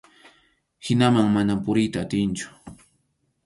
Hinaman mana puriyta atinchu.